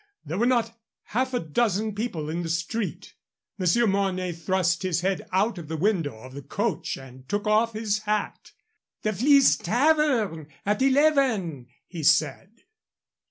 There were not half a dozen people in the street. Monsieur Mornay thrust his head out of the window of the coach and took off his hat. "The Fleece Tavern at eleven," he said.